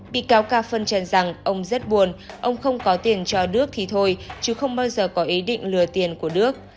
bị cáo ca phân trần rằng ông rất buồn ông không có tiền cho đước thì thôi chứ không bao giờ có ý định lừa tiền của đức